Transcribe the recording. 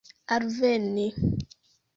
alveni